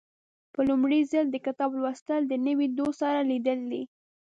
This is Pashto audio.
په لومړي ځل د کتاب لوستل د نوي دوست سره لیدل دي.